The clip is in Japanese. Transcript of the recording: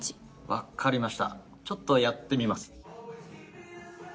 分かりましたちょっとやってみます。